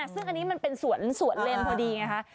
ซึ่งอันนี้มันเป็นสวนเลนพอดีไงคะ